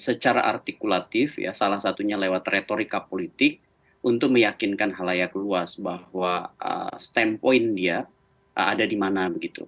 secara artikulatif salah satunya lewat retorika politik untuk meyakinkan halayak luas bahwa standpoint dia ada di mana begitu